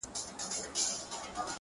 څه پیالې پیالې را ګورې څه نشه نشه ږغېږې,